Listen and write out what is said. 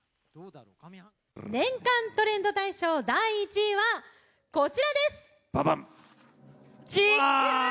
年間トレンド大賞第１位はこちらです！